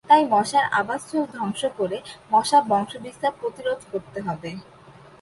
তাই মশার আবাসস্থল ধ্বংস করে মশার বংশবিস্তার প্রতিরোধ করতে হবে।